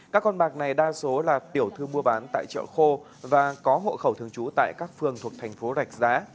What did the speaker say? các con bạc này đa số là tiểu thư mua bán tại chợ khô và có hộ khẩu thường trú tại các phường thuộc thành phố rạch giá